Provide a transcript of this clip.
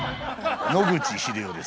野口英世です。